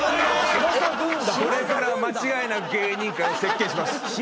これから間違いなく芸人界を席巻します。